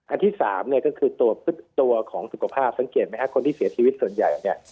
อันที่สามก็คือับสุขภาพสรัขเกณฑ์ไหมคนที่เสียชีวิตส่วนใหญ่นี่